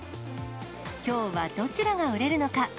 きょうはどちらが売れるのか。